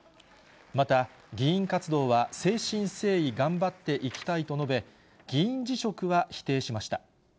また、議員活動は誠心誠意頑張っていきたいと述べ、議員辞職は否定しました。